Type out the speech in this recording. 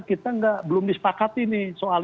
kita belum disepakati nih soal